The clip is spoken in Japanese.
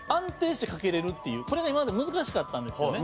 これが今まで難しかったんですよね。